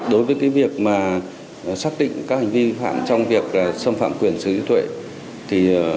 đối với việc xác định các hành vi vi phạm trong việc xâm phạm quyền xử lý thuệ